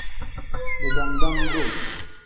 Digangam-duu.